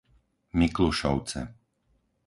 Miklušovce